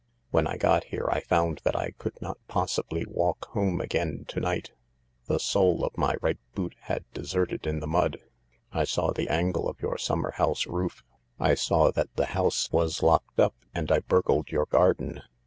When I got here I found that I could not possibly walk home again to night. The sole of my right boot had deserted in the mud. I saw the angle of your summer house roof. I saw that the house was locked up, and I burgled your garden.